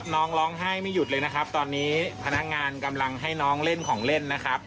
น้องร้องไห้ไม่หยุดเลยนะครับตอนนี้พนักงานกำลังให้น้องเล่นของเล่นนะครับ